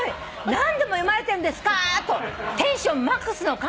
何度も読まれてるんですか！』とテンションマックスの看護師さん」